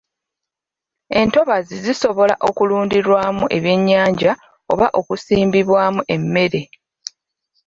Entobazi zisobola okulundirwamu ebyennyanja oba okusimbibwamu emmere.